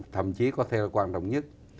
thậm chí có thể là quan trọng nhất